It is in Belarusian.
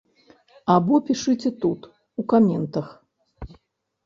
Або пішыце тут у каментах.